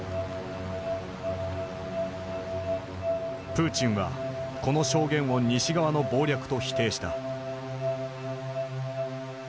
プーチンはこの証言を西側の謀略と否定した。